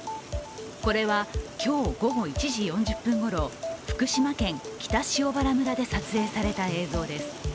これは今日午後１時４０分ごろ福島県北塩原村で撮影された映像です。